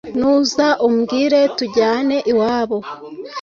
nuza umbwire tujyane iwabo